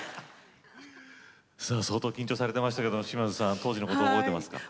相当緊張されてましたけど島津さん当時のこと覚えてますか？